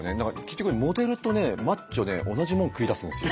結局モデルとねマッチョね同じもん食いだすんですよ。